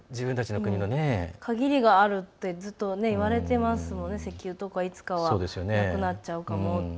限りがあるってずっといわれていますけど石油とか、いつかはなくなっちゃうかもって。